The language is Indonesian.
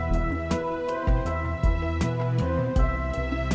gimana sih suku trail